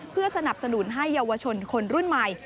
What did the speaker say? เพื่อสนับสนุนให้เยาวชนคนรุ่นใหม่